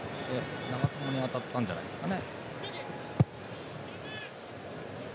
長友に当たったんじゃないですか。